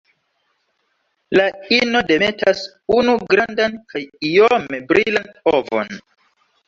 La ino demetas unu grandan kaj iome brilan ovon.